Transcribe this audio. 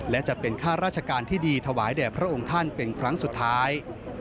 และจะเป็นข้าราชการที่ดีถวายแด่พระองค์ท่านเป็นครั้งสุดท้าย